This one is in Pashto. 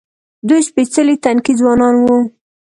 دوی سپېڅلي تنکي ځوانان وو.